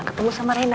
ketemu sama reina